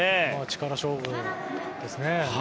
力勝負ですね。